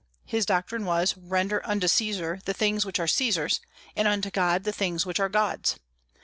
His doctrine was, "Render unto Caesar the things which are Caesar's, and unto God the things which are God's."